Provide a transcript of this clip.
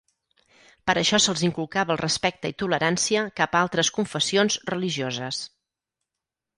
Per això se'ls inculcava el respecte i tolerància cap a altres confessions religioses.